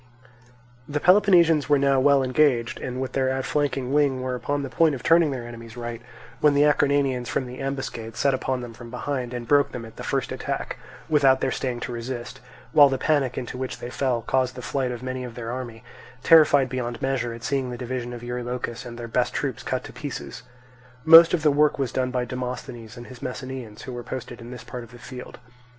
The Peloponnesians were now well engaged and with their outflanking wing were upon the point of turning their enemy's right; when the Acarnanians from the ambuscade set upon them from behind, and broke them at the first attack, without their staying to resist; while the panic into which they fell caused the flight of most of their army, terrified beyond measure at seeing the division of Eurylochus and their best troops cut to pieces. Most of the work was done by Demosthenes and his Messenians, who were posted in this part of the field.